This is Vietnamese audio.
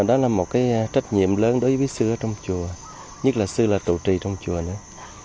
đó là một cái trách nhiệm lớn đối với sư ở trong chùa nhất là sư là trụ trì trong chùa nữa